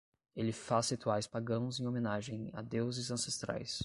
Ele faz rituais pagãos em homenagem a deuses ancestrais